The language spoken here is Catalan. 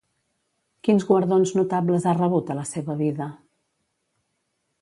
Quins guardons notables ha rebut a la seva vida?